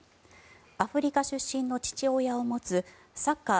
アフリカ出身の父親を持つサッカー